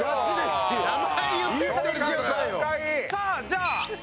さあじゃあ。